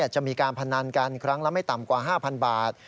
จะมีการพนันกันครั้งละไม่ต่ำกว่า๕๐๐บาท